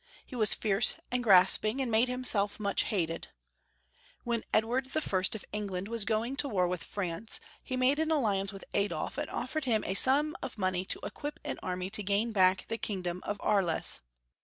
He was fierce and grasping, and made himself much hated. When Edward I. of England was going to war with France he made an alliance with Adolf and offered him a sirni of money to equip an army to gain back the kingdom of Aries.